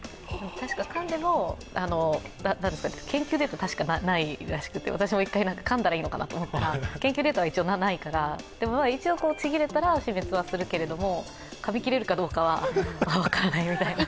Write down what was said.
かんでも、研究データで確かではないらしく私も一回、かんだらいいのかなと思ったら、研究データでは、ないから一応ちぎれたら死滅はするけれどかみ切れるかどうかは分からないみたいな。